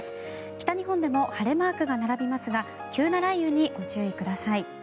北日本でも晴れマークが並びますが急な雷雨にご注意ください。